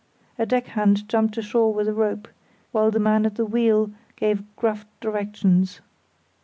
A deck hand jumped ashore with a rope, while the man at the wheel gave gruff directions.